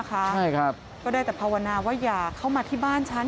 ใช่ครับก็ได้แต่ภาวนาว่าอย่าเข้ามาที่บ้านฉัน